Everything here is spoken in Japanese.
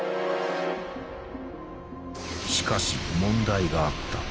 しかし問題があった。